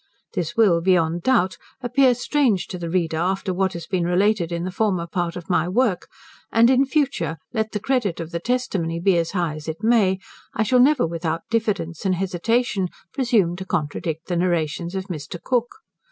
This will, beyond doubt, appear strange to the reader after what has been related in the former part of my work: and in future, let the credit of the testimony be as high as it may, I shall never without diffidence and hesitation presume to contradict the narrations of Mr. Cook.